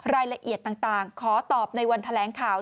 รายละเอียดต่างขอตอบในวันแถลงข่าว